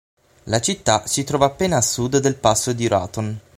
La città si trova appena a sud del passo di Raton.